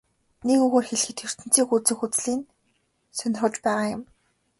Нэг үгээр хэлэхэд ертөнцийг үзэх үзлий нь сонирхож байгаа юм.